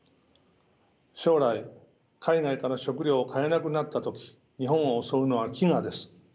将来海外から食料を買えなくなった時日本を襲うのは飢餓です。